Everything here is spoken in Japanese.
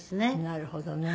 なるほどね。